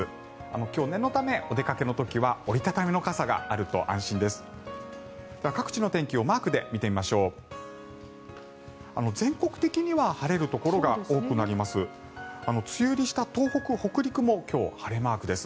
今日、念のためお出かけの時は折り畳み傘があると安心です。